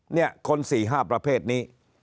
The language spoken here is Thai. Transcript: เนี่ยคน๔๕ประเภทนี้